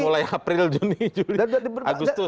mulai april juni juli dan agustus